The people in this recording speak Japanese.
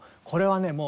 これはね